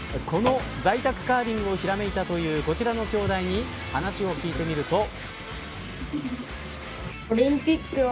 この在宅カーリングをひらめいたというこちらのきょうだいに話を聞いてみると。